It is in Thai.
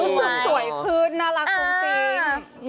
รู้สึกสวยพื้นน่ารักจริง